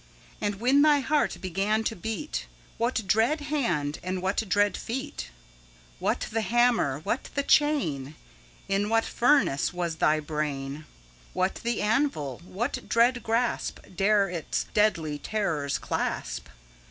10 And when thy heart began to beat, What dread hand and what dread feet? What the hammer? what the chain? In what furnace was thy brain? What the anvil? What dread grasp 15 Dare its deadly terrors clasp?